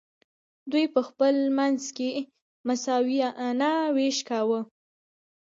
دوی په خپل منځ کې مساویانه ویش کاوه.